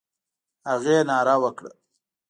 هغې ناره وکړه: